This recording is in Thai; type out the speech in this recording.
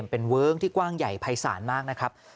เป็นเวิ้งที่กว้างใหญ่ภัยศาลมากนะครับ